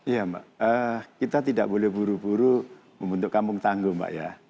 ya mbak kita tidak boleh buru buru membentuk kampung tangguh mbak ya